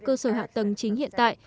cơ sở hạ tầng chính hiện tại